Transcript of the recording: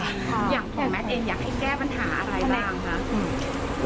อย่างของแมทเองอยากให้แก้ปัญหาอะไรบ้างคะ